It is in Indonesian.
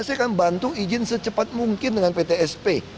saya akan bantu izin secepat mungkin dengan ptsp